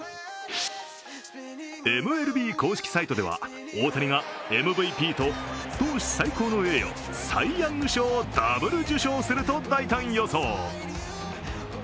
ＭＬＢ公式サイトでは大谷がＭＶＰと投手最高の栄誉、サイ・ヤング賞をダブル受賞すると大胆予想。